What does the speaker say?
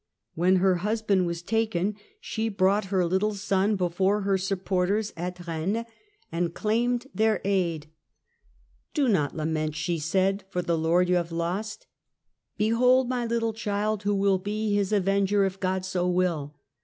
When her husband was taken she brought her little son before her supporters at Eennes FRENCH HISTORY, 1328 1380 135 and claimed their aid. "Do not lament," she said, " for the lord you have lost ; behold my little child, who will be his avenger if God so will.